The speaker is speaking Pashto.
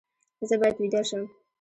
زه باید ویده شم